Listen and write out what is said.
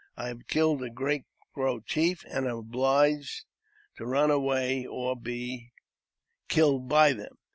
I have killed a great Crow chief, and I am obliged to run away, or be killed by them.